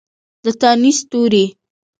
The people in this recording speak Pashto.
د تانیث توري